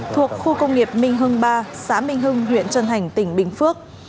thuộc khu công nghiệp minh hưng ba xã minh hưng huyện trân thành tỉnh bình phước